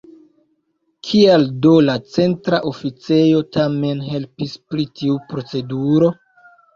Kial do la Centra Oficejo tamen helpis pri tiu proceduro?